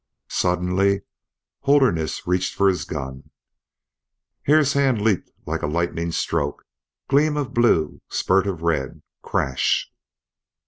Suddenly Holderness reached for his gun. Hare's hand leapt like a lightning stroke. Gleam of blue spurt of red crash!